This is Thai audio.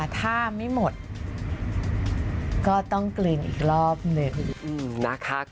ถ้าไม่หมดก็ต้องกลืนอีกรอบหนึ่งนะคะ